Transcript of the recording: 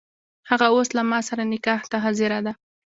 هغه اوس له ماسره نکاح ته حاضره ده.